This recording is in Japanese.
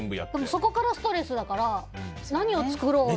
そこからがストレスだから何を作ろうとか。